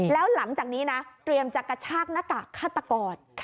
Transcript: แล้วหลังจากนี้นะเตรียมจะกระชากหน้ากากฆาตกร